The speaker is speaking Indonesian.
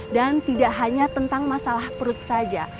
dan tidak hanya tentang masalah perut saja